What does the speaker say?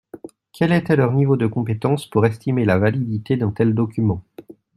Quel était leur niveau de compétence pour estimer la validité d’un tel document?